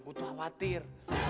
gue tuh khawatir